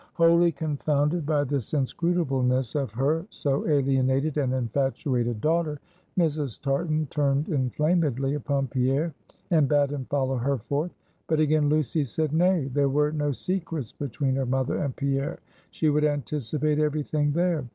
Wholly confounded by this inscrutableness of her so alienated and infatuated daughter, Mrs. Tartan turned inflamedly upon Pierre, and bade him follow her forth. But again Lucy said nay, there were no secrets between her mother and Pierre. She would anticipate every thing there.